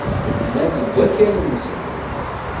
Bnan deg wakal-nsen.